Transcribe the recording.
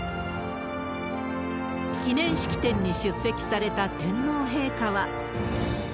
記念式典に出席された天皇陛下は。